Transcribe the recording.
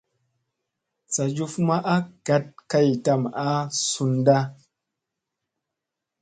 Sa njuf ma a gat kay tam a suuta.